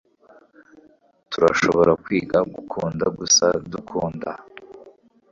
turashobora kwiga gukunda gusa dukunda